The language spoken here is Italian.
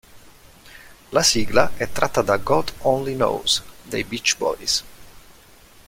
La sigla è tratta da "God Only Knows" dei Beach Boys.